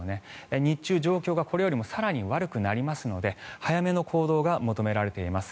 日中、状況がこれよりも更に悪くなりますので早めの行動が求められています。